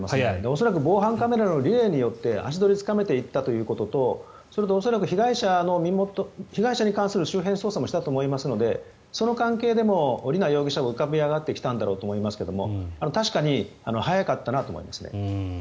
恐らく防犯カメラのリレーによって足取りはつかめていたということと恐らく被害者に関する周辺捜査もしたと思いますのでその関係でも瑠奈容疑者が浮かび上がってきたんだと思いますが確かに早かったなと思いますね。